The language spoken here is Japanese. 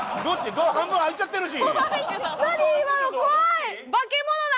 ドア半分開いちゃってるし。